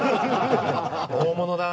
大物だな。